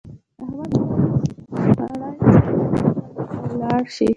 احمد هر ورځ خړی ډک کړي او ولاړ شي.